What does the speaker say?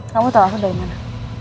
kamu tahu aku dari mana